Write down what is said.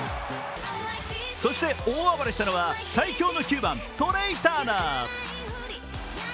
そして、大暴れしたのは最強の９番・トレイ・ターナー。